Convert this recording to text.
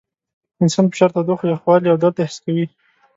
انسان فشار، تودوخه، یخوالي او درد حس کوي.